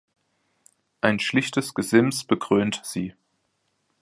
Ein schlichtes Gesims bekrönt sie.